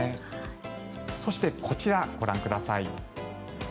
そして、こちらご覧ください。